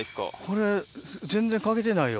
これ全然欠けてないよ